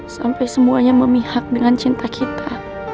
sampai semuanya memihak dengan cinta kita